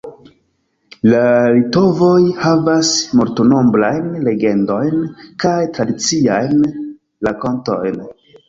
La litovoj havas multnombrajn legendojn kaj tradiciajn rakontojn.